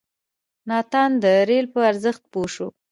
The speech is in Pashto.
ناتان د رېل په ارزښت پوه شو.